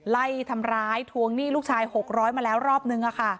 ไล่ทำร้ายทวงหนี้ลูกชาย๖๐๐มาแล้วรอบนึง